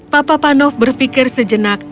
papa panov berfikir sejenak